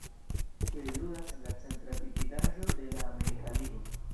Ili ludas en la Centra Dividaĵo de la Amerika Ligo.